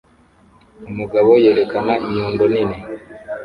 Umugabo yerekana inyundo nini